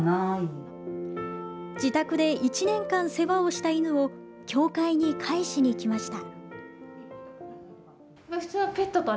自宅で１年間世話をした犬を協会に返しに来ました。